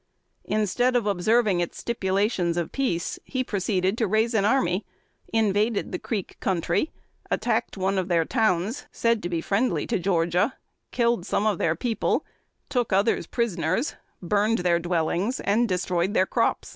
Instead of observing its stipulations of peace, he proceeded to raise an army; invaded the Creek country, attacked one of their towns said to be friendly to Georgia, killed some of their people, took others prisoners, burned their dwellings, and destroyed their crops.